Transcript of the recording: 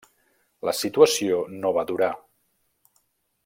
La situació no va durar.